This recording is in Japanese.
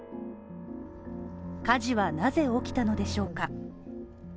家事はなぜ起きたのでしょうか？